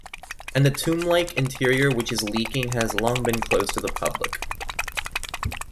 And the tomblike interior, which is leaking, has long been closed to the public.